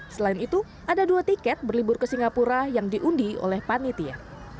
selain itu ada dua tiket berlibur ke singapura yang diundi oleh panitia